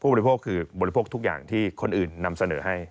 บริโภคคือบริโภคทุกอย่างที่คนอื่นนำเสนอให้